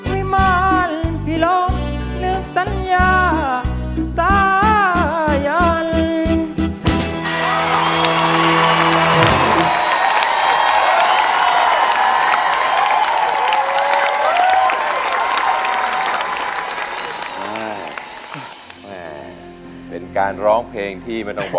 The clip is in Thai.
ไม่มาริมพิโลกนึกสัญญาสายัน